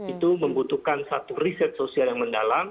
itu membutuhkan satu riset sosial yang mendalam